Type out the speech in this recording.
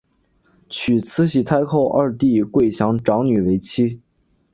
娶慈禧太后二弟桂祥长女为妻。